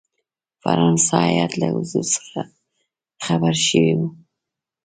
فرانسه هیات له حضور څخه خبر شوی وو.